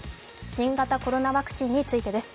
新型コロナワクチンについてです。